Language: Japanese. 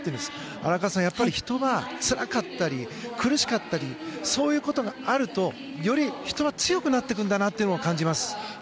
荒川さん、人はやっぱりつらかったり苦しかったりそういうことがあるとより人は強くなっていくんだなというのを感じます。